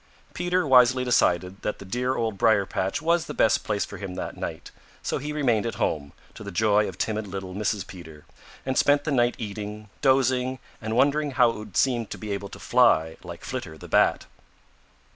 Peter wisely decided that the dear Old Briar patch was the best place for him that night, so he remained at home, to the joy of timid little Mrs. Peter, and spent the night eating, dozing and wondering how it would seem to be able to fly like Flitter the Bat.